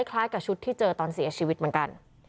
คล้ายกับชุดที่เจอตอนเสียชีวิตเหมือนกัน